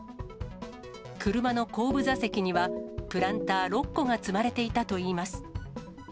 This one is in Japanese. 車の後部座席には、プランター６個が積まれていたといいます。